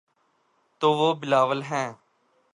تو وہ بلاول ہیں۔